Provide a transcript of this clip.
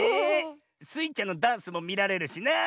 スイちゃんのダンスもみられるしなあ。